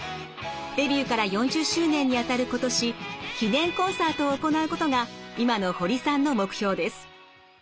デビューから４０周年にあたる今年記念コンサートを行うことが今の堀さんの目標です。